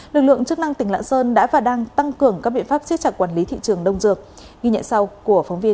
lực lượng chức năng tỉnh lạng sơn đã và đang tăng cường các biện pháp chế chặt quản lý thị trường đông dược